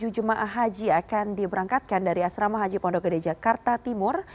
dua puluh empat empat ratus tiga puluh tujuh jemaah haji akan diberangkatkan dari asrama haji pondok gede jakarta timur